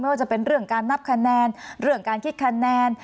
ว่าจะเป็นเรื่องการนับคะแนนเรื่องการคิดคะแนน